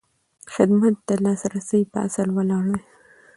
خدمت د لاسرسي په اصل ولاړ وي.